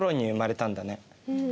うん。